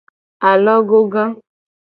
Alogoga.